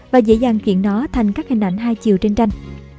và dễ dàng chuyển nó thành các hình ảnh hai chiều trên tranh